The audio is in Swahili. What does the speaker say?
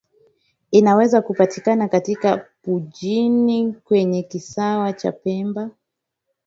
Inaweza kupatikana katika Pujini kwenye Kisiwa cha Pemba